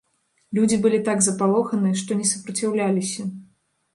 Людзі былі так запалоханы, што не супраціўляліся.